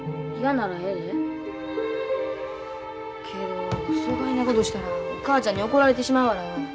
けどそがいなことしたらお母ちゃんに怒られてしまうわらよ。